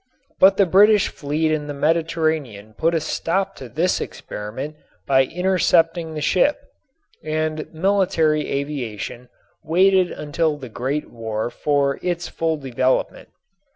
But the British fleet in the Mediterranean put a stop to this experiment by intercepting the ship, and military aviation waited until the Great War for its full development.